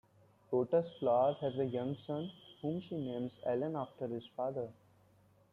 Lotus Flower has a young son, whom she names Allen after his father.